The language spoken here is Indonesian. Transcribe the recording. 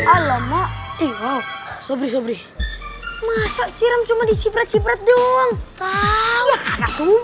alamak ih wow sobrisobri masa cirem cuma dicipet cipret dong tahu